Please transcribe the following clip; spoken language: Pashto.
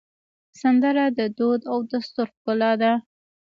سندره د دود او دستور ښکلا ده